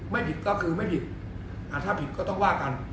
ไม่ผิดก็คือไม่ผิดถ้าผิดก็ต้องว่ากัน